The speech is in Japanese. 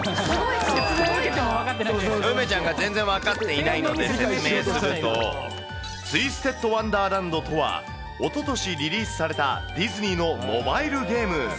梅ちゃんが全然分かっていないので、説明すると、ツイステッドワンダーランドとは、おととしリリースされた、ディズニーのモバイルゲーム。